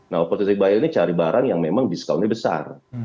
nah opportunistic buyer ini cari barang yang memang discountnya besar